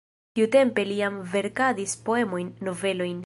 Tiutempe li jam verkadis poemojn, novelojn.